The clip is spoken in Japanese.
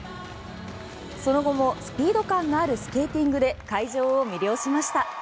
その後もスピード感のあるスケーティングで会場を魅了しました。